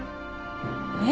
えっ？